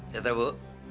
ya tak bu